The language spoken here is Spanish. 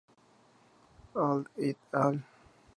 Adl "et al.